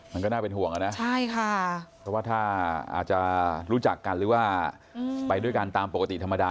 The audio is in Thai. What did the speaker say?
มันก็น่าเป็นห่วงอะนะใช่ค่ะเพราะว่าถ้าอาจจะรู้จักกันหรือว่าไปด้วยกันตามปกติธรรมดา